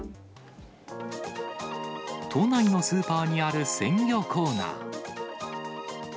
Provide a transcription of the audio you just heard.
都内のスーパーにある鮮魚コーナー。